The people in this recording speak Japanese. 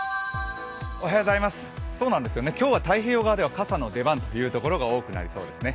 今日は太平洋側では傘の出番という所が多くなりそうですね。